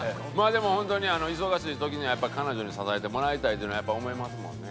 でも本当に忙しい時には彼女に支えてもらいたいというのはやっぱ思いますもんね。